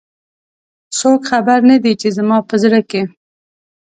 څوک خبر نه د ی، چې زما په زړه کې